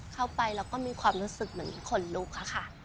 เข้าไปแล้วก็มีความรู้สึกเหมือนขนลุกอะค่ะ